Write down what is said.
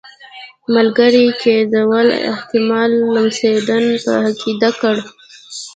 ملګري کېدلو احتمال لمسډن په عقیده کړ.